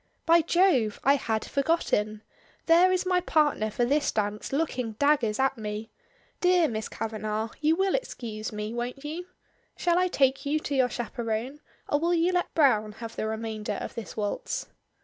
"By Jove! I had forgotten! There is my partner for this dance looking daggers at me. Dear Miss Kavanagh, you will excuse me, won't you? Shall I take you to your chaperone, or will you let Browne have the remainder of this waltz?"